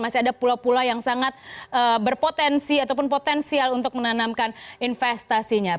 masih ada pulau pulau yang sangat berpotensi ataupun potensial untuk menanamkan investasinya